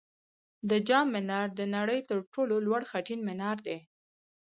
د جام منار د نړۍ تر ټولو لوړ خټین منار دی